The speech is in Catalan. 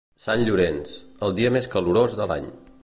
Sant Llorenç, el dia més calorós de l'any.